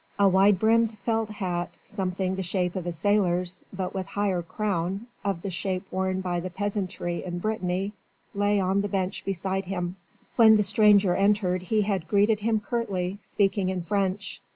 A wide brimmed felt hat something the shape of a sailor's, but with higher crown of the shape worn by the peasantry in Brittany lay on the bench beside him. When the stranger entered he had greeted him curtly, speaking in French.